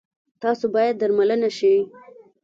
تاسو باید درملنه شی